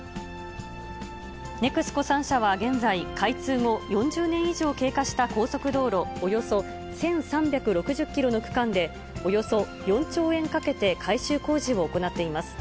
ＮＥＸＣＯ３社は現在、開通後４０年以上経過した高速道路およそ１３６０キロの区間で、およそ４兆円かけて改修工事を行っています。